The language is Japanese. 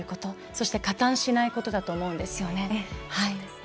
そして加担しないことだと思うんですよね。